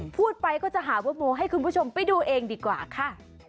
พูดไปก็จะหาเวอร์โมให้คุณผู้ชมไปดูเองดีกว่าค่ะ